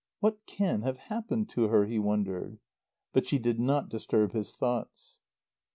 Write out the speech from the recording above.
"What can have happened to her?" he wondered. But she did not disturb his thoughts.